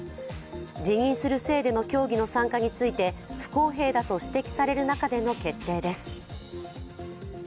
自認する性での競技の参加について不公平だと指摘される中での決定です。